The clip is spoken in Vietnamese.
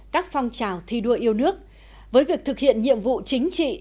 các phong trào thi đua yêu nước với việc thực hiện nhiệm vụ chính trị